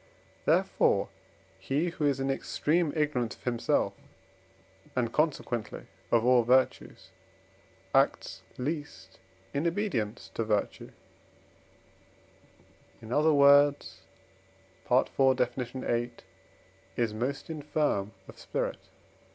Therefore he who is in extreme ignorance of himself, and consequently of all virtues, acts least in obedience to virtue; in other words (IV. Def. viii.), is most infirm of spirit.